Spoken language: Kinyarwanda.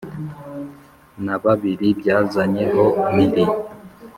n’ababiri byazanye ho mpiri,